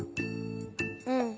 うん。